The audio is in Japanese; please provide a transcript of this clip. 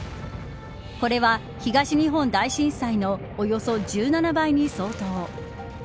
これは、東日本大震災のおよそ１７倍に相当。